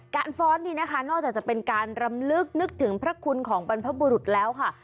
ฟ้อนนี้นะคะนอกจากจะเป็นการรำลึกนึกถึงพระคุณของบรรพบุรุษแล้วค่ะ